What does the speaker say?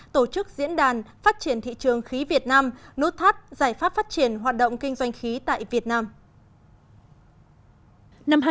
tổ chức diễn đàn phát triển thị trường khí việt nam nút thắt giải pháp phát triển hoạt động kinh doanh khí tại việt nam